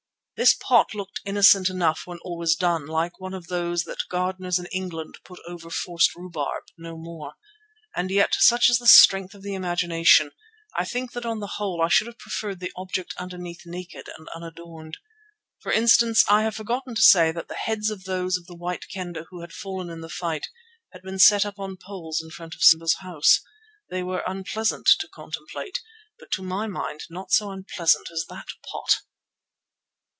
This pot looked innocent enough when all was done, like one of those that gardeners in England put over forced rhubarb, no more. And yet, such is the strength of the imagination, I think that on the whole I should have preferred the object underneath naked and unadorned. For instance, I have forgotten to say that the heads of those of the White Kendah who had fallen in the fight had been set up on poles in front of Simba's house. They were unpleasant to contemplate, but to my mind not so unpleasant as that pot.